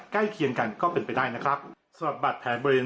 เคียงกันก็เป็นไปได้นะครับสำหรับบาดแผลบริเวณ